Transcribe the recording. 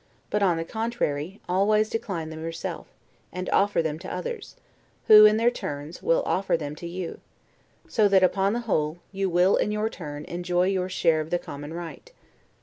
but on the contrary, always decline them yourself, and offer them to others; who, in their turns, will offer them to you; so that, upon the whole, you will in your turn enjoy your share of the common right.